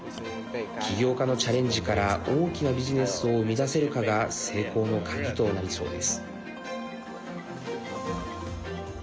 起業家のチャレンジから大きなビジネスを生み出せるかが成功の鍵となりそうです。